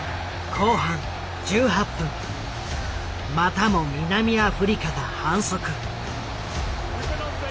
後半１８分またも南アフリカが反則。